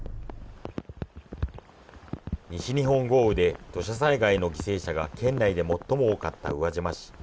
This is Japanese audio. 西日本豪雨で土砂災害の犠牲者が県内で最も多かった宇和島市。